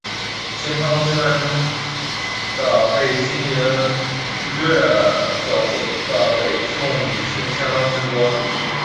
靖康之难中的被金人掠走的北宋女性相当之多。